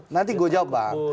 nanti gue jawab bang